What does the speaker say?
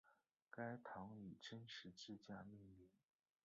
该堂以真十字架命名。